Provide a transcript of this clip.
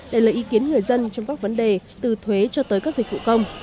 để lấy ý kiến người dân trong các vấn đề từ thuế cho tới các dịch vụ công